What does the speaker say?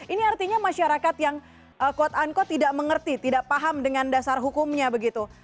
ini artinya masyarakat yang quote unquote tidak mengerti tidak paham dengan dasar hukumnya begitu